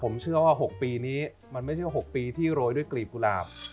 ผมเชื่อว่า๖ปีนี้มันไม่ใช่๖ปีที่โรยด้วยกลีบกุหลาบ